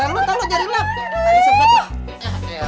iya maksudnya aku dih helena playing school